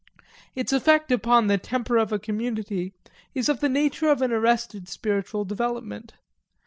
Its effect upon the temper of a community is of the nature of an arrested spiritual development.